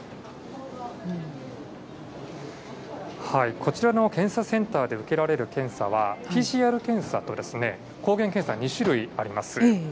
こちらの検査センターで受けられる検査は、ＰＣＲ検査と抗原検査の２種類あります。